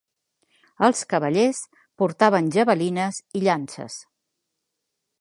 Els cavallers portaven javelines i llances.